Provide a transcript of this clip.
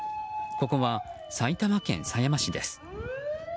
ここは埼玉県狭山市です。